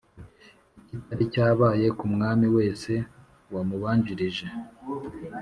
ikitari cyabaye ku mwami wese wamubanjirije.